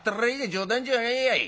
冗談じゃねえやい。